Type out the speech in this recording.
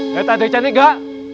nget adik cantik gak